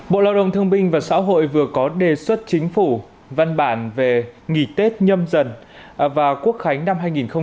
bộ lao động thương binh và xã hội vừa có đề xuất chính phủ văn bản về nghỉ tết nhâm dần và quốc khánh năm hai nghìn hai mươi